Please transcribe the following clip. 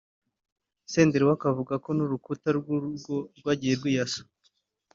Senderi we akavuga ko n'urukuta rw'urugo rwagiye rwiyasa